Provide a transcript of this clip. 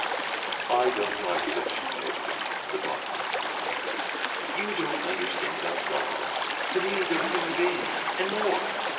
"I don't like this Utopia," the botanist repeats. "You don't understand about dogs. To me they're human beings and more!